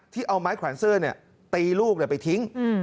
เอาไม้แขวนเสื้อตีลูกไปทิ้ง